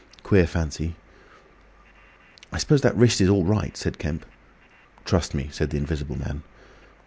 "Queer fancy!" "I suppose that wrist is all right," said Kemp. "Trust me," said the Invisible Man.